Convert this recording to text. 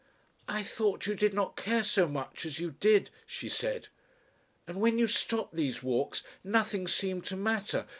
"I thought you did not care so much as you did," she said. "And when you stopped these walks nothing seemed to matter.